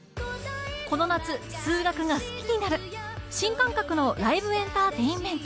この夏数学が好きになる新感覚のライブエンターテインメント